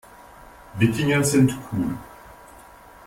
Wikinger sind cool.